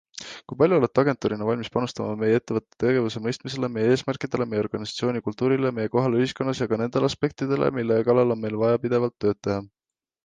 Kui palju olete agentuurina valmis panustama meie ettevõtte tegevuse mõistmisele, meie eesmärkidele, meie organisatsioonikultuurile, meie kohale ühiskonnas ja ka nendele aspektidele, mille kallal meil on vaja pidevalt tööd teha?